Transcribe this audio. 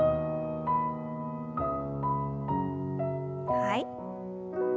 はい。